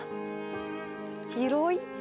広い。